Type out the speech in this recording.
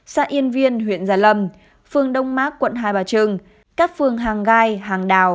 xã yên viên huyện gia lâm phương đông mác quận hai bà trưng các phương hàng gai hàng đào